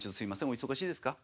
お忙しいですか？